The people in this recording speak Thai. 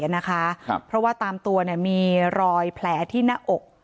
นะคะครับเพราะว่าตามตัวเนี่ยมีรอยแผลที่หน้าอก